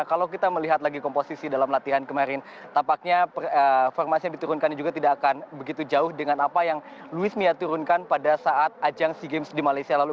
kalau kita melihat lagi komposisi dalam latihan kemarin tampaknya formasi yang diturunkan juga tidak akan begitu jauh dengan apa yang luis mia turunkan pada saat ajang sea games di malaysia lalu